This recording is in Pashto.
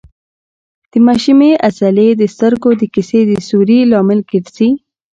د مشیمیې عضلې د سترګو د کسي د سوري لامل ګرځي.